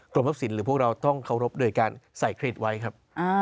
ทรัพย์สินหรือพวกเราต้องเคารพโดยการใส่เครดไว้ครับ